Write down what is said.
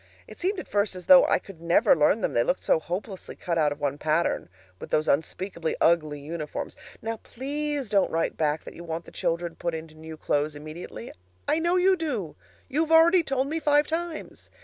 It seemed at first as though I could never learn them, they looked so hopelessly cut out of one pattern, with those unspeakably ugly uniforms. Now please don't write back that you want the children put into new clothes immediately. I know you do; you've already told me five times.